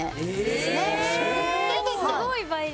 すごい倍率！